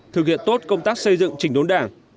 thực hiện tốt công tác xây dựng trình đốn đảng